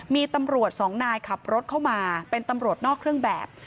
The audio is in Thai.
มีตำรวจสองนายขับรถเข้ามาเป็นตำรวจนอกเครื่องแบบ